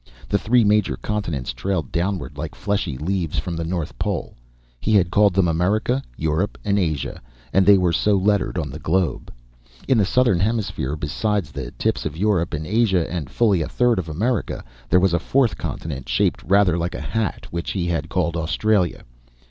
The three major continents trailed downward like fleshy leaves from the north pole; He had called them America, Europe and Asia, and they were so lettered on the globe. In the southern hemisphere, besides the tips of Europe and Asia and fully a third of America, there was a fourth continent, shaped rather like a hat, which He had called Australia.